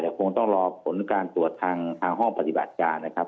คงต้องรอผลการตรวจทางห้องปฏิบัติการนะครับ